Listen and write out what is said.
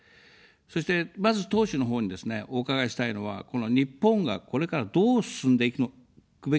そして、まず、党首のほうにですね、お伺いしたいのは、この日本がこれからどう進んでいくべきなのかと。